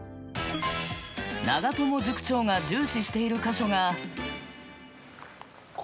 長友塾長が重視している箇所が。